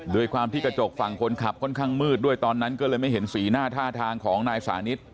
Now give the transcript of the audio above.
โดยความที่กระจกฝั่งคนขับค่อนข้างมืดด้วยตอนนั้นก็เลยไม่เห็นสีหน้าท่าทางของนายสานิท